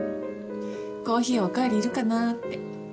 コーヒーお代わりいるかなぁって。